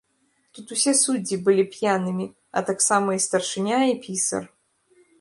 Тут усе суддзі былі п'янымі, а таксама і старшыня і пісар.